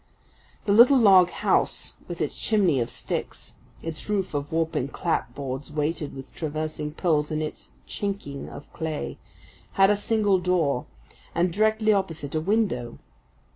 The little log house, with its chimney of sticks, its roof of warping clapboards weighted with traversing poles and its "chinking" of clay, had a single door and, directly opposite, a window.